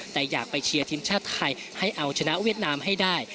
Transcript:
แต่อยากไปเชียร์ทีมชาติไทยให้เอาชนะเวียดนามให้ได้